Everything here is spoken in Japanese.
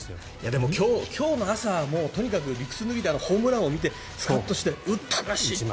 でも今日の朝もとにかく理屈抜きであのホームランを見てスカッとして打ったらしいって。